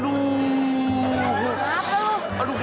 aduh gue kebelet pipis nih nanti gue pipis lo ya